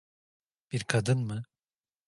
Bir kadın mı?